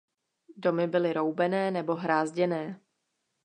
Domy byly roubené nebo hrázděné.